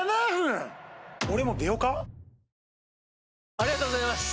ありがとうございます！